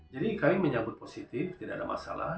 jadi kami menyanggut positif tidak ada masalah